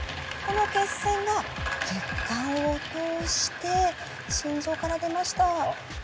この血栓が血管を通して心臓から出ました。